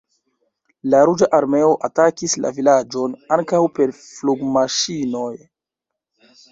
La Ruĝa Armeo atakis la vilaĝon ankaŭ per flugmaŝinoj.